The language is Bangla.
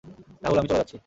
রাহুল আমি চলে যাচ্ছি।